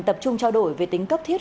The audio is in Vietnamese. tập trung trao đổi về tính cấp thiết